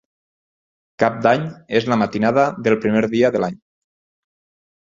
Cap d'Any és la matinada del primer dia de l'any.